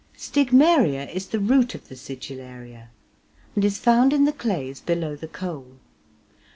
Stigmaria is the root of the Sigillaria, and is found in the clays below the coal.